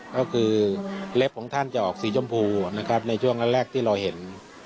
ก็คือเล็บของท่านจะออกสีชมพูนะครับในช่วงแรกที่เราเห็น